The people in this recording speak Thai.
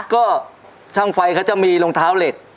ก็ช่างไฟเขาจะมีรองเท้าเหล็ก